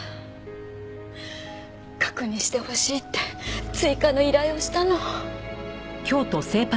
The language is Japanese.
確認してほしいって追加の依頼をしたの。